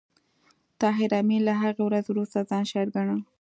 طاهر آمین له هغې ورځې وروسته ځان شاعر ګڼل